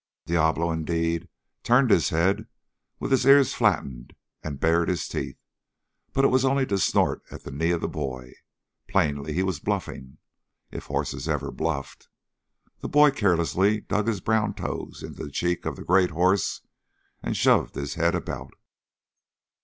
Diablo, indeed, turned his head with his ears flattened and bared his teeth, but it was only to snort at the knee of the boy. Plainly he was bluffing, if horses ever bluffed. The boy carelessly dug his brown toes into the cheek of the great horse and shoved his head about.